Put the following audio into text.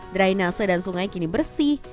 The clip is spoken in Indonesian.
drainase dan sungai kini bersih